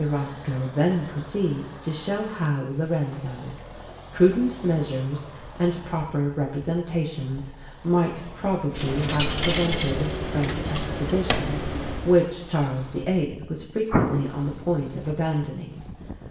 Roscoe then proceeds to show how Lorenzo's "prudent measures and proper representations might probably have prevented the French expedition, which Charles the Eighth was frequently on the point of abandoning.